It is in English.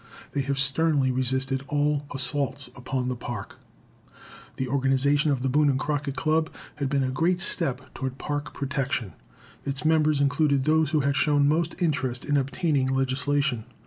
They have sternly resisted all assaults upon the Park. The organization of the Boone and Crockett Club had been a great step toward Park protection. Its membership included those who had shown most interest in obtaining legislation.